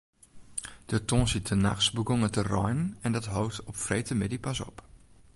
De tongersdeitenachts begûn it te reinen en dat hold op freedtemiddei pas op.